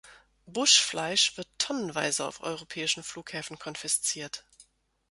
Buschfleisch wird tonnenweise auf europäischen Flughäfen konfisziert.